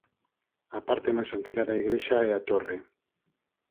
A parte máis antiga da igrexa é a torre.